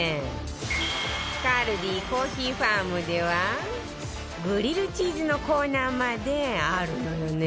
カルディコーヒーファームではグリルチーズのコーナーまであるのよね